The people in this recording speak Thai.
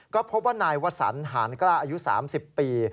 ก็พบว่านายวสันหานกล้าอายุ๓๐ปี